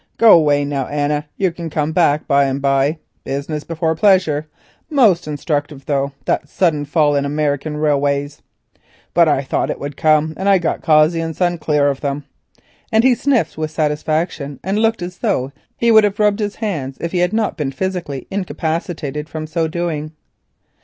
Go away now, Anna, you can come back by and by, business before pleasure—most instructive, though, that sudden fall in American railways. But I thought it would come and I got Cossey's clear of them," and he sniffed with satisfaction and looked as though he would have rubbed his hands if he had not been physically incapacitated from so doing.